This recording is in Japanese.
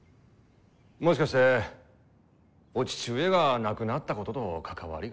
もしかしてお父上が亡くなったことと関わりが？